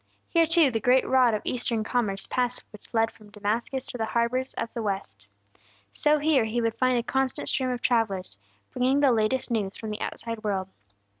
Here, too, the great road of Eastern commerce passed which led from Damascus to the harbors of the West. So here he would find a constant stream of travellers, bringing the latest news from the outside world.